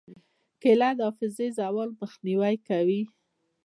کېله د حافظې زوال مخنیوی کوي.